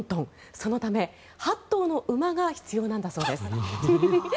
そのため８頭の馬が必要なんだそうです。